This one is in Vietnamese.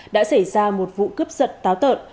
đã xảy ra một vụ cướp giật táo tợn